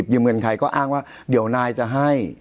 ยืมเงินใครก็อ้างว่าเดี๋ยวนายจะให้